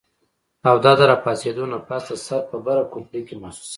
او دا د راپاسېدو نه پس د سر پۀ بره کوپړۍ کې محسوسيږي